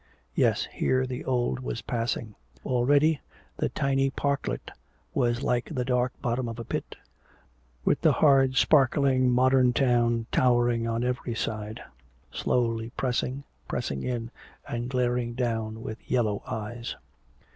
Yes, here the old was passing. Already the tiny parklet was like the dark bottom of a pit, with the hard sparkling modern town towering on every side, slowly pressing, pressing in and glaring down with yellow eyes.